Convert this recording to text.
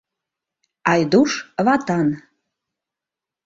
Айдуш — ватан.